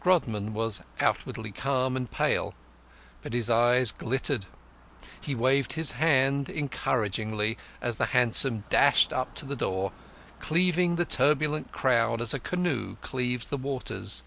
Grodman was outwardly calm and pale, but his eyes glittered; he waved his hand encouragingly as the hansom dashed up to the door, cleaving the turbulent crowd as a canoe cleaves the waters.